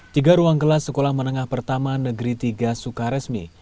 tiga ruang kelas sekolah menengah pertama negeri tiga sukaresmi